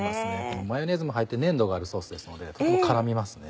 マヨネーズも入って粘度があるソースですのでとても絡みますね。